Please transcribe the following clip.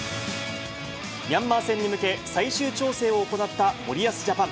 ミャンマー戦に向け、最終調整を行った森保ジャパン。